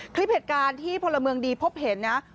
คลิปเหตุการณ์ที่พลเมืองดีพบเห็นนะ